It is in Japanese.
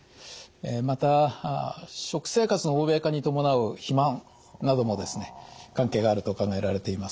また食生活の欧米化に伴う肥満などもですね関係があると考えられています。